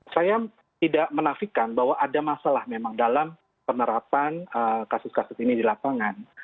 saya tidak menafikan bahwa ada masalah memang dalam penerapan kasus kasus ini di lapangan